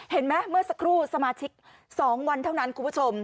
เมื่อสักครู่สมาชิก๒วันเท่านั้นคุณผู้ชม